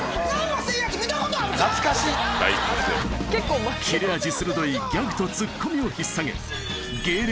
今切れ味鋭いギャグとツッコミを引っ提げ芸歴